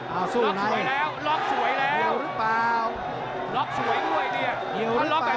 ล๊อคสวยแล้วล็อกสวยแล้ว